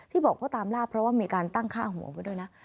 ที่บอกว่าตามล่าเพราะว่ามีการตั้งค่าหัวไว้ด้วยนะ